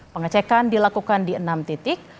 pengecekan dilakukan di enam titik